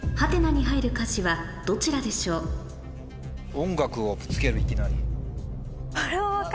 「音楽」をぶつけるいきなり。